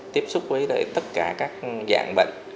tiếp xúc với tất cả các dạng bệnh